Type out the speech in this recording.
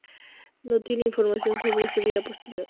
No se tiene información sobre su vida posterior.